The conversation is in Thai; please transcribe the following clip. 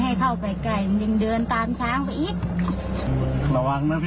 ไหลนะ